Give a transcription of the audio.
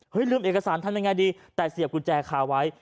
ลืมเอกสารทำยังไงดีแต่เสียบกุญแจคาไว้